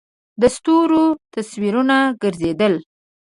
د ستورو تصویرونه گرځېدل.